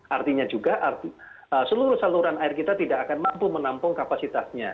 artinya juga seluruh saluran air kita tidak akan mampu menampung kapasitasnya